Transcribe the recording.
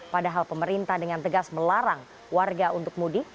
padahal pemerintah dengan tegas melarang warga untuk mudik